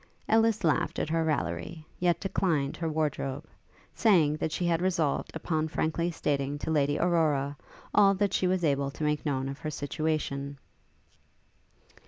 Ellis laughed at her raillery, yet declined her wardrobe, saying that she had resolved upon frankly stating to Lady Aurora, all that she was able to make known of her situation.